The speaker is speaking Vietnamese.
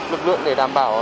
lực lượng để đảm bảo